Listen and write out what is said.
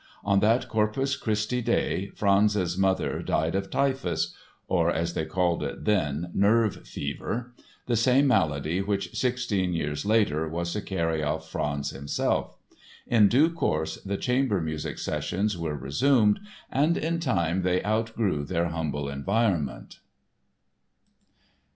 On that Corpus Christi day Franz's mother died of typhus (or, as they called it then, "nerve fever"), the same malady which sixteen years later was to carry off Franz himself. In due course the chamber music sessions were resumed and in time they outgrew their humble environment.